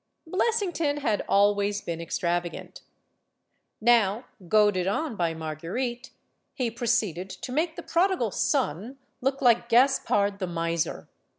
Blessington had always been extravagant. Now, goaded on by Marguerite, he proceeded to make the Prodigal Son look like Gaspard the Miser.